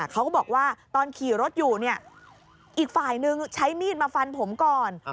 เขาก็บอกว่าตอนขี่รถอยู่อีกฝ่ายนึงใช้มีดมาฟันผมก่อน